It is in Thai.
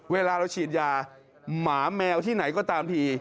เวลาเราฉีดยาหมาแมวที่ไหนก็ตามที